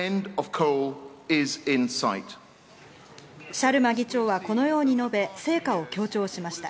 シャルマ議長はこのように述べ、成果を強調しました。